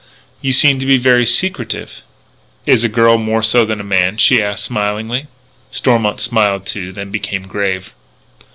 "You seem to be very secretive." "Is a girl more so than a man?" she asked smilingly. Stormont smiled too, then became grave.